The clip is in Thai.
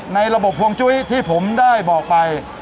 ในระบบฮวงจุ้ยที่ผมได้บอกไป